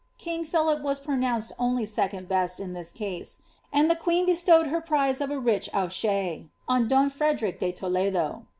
'' Iking Philip was pronounced only second best in this case ; and the i|aeen bestowed her prize of a rich owche on don Frederic de Toledo.